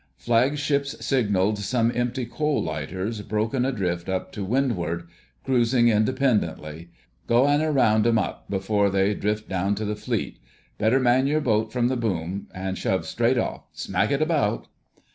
"Flagship's signalled some empty coal lighters broken adrift up to windward—cruisin' independently. Go an' round 'em up before they drift down on the Fleet. Better man your boat from the boom and shove straight off. Smack it about!"